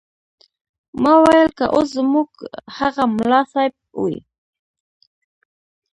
ما ویل که اوس زموږ هغه ملا صیب وي.